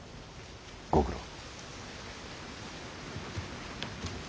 ご苦労。